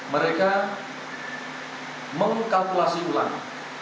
mereka mengkalkulasi ulang